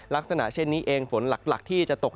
ลักษณะเช่นนี้เองฝนหลักที่จะตก